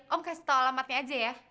om kasih tau alamatnya aja ya